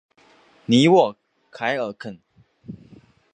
尼沃凯尔肯。